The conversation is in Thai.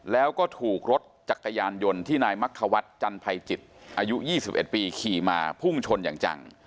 แล้วก็ถูกรถจักรยานยนต์ที่นายมักควัฒน์จันภัยจิตอายุ๒๑ปีขี่มาพุ่งชนอย่างจัง